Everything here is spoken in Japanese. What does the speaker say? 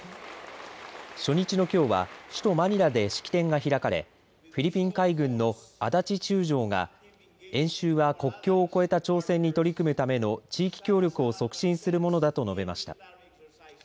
初日のきょうは首都マニラで式典が開かれフィリピン海軍のアダチ中将が演習は国境を越えた挑戦に取り組むための地域協力を促進するものだと述べました。